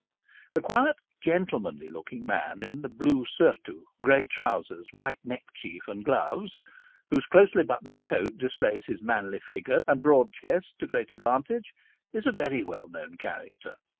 The quiet gentlemanly looking man in the blue surtout, grey trousers, white neckerchief, and gloves, whose closely buttoned coat displays his manly figure and broad chest to great advantage, is a very well known character.